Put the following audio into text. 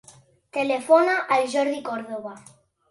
Telefona al Jordi Cordoba.